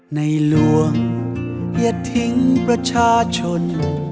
ในหลวงเหยียดทิ้งประชาชน